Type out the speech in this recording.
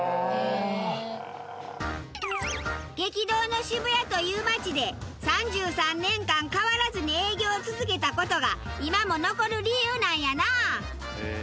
激動の渋谷という街で３３年間変わらずに営業を続けた事が今も残る理由なんやな。